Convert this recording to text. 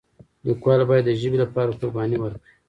لیکوال باید د ژبې لپاره قرباني ورکړي.